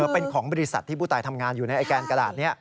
เป็นของบริษัทที่ผู้ตายทำงานอยู่ในไอแกนกระดาษนี้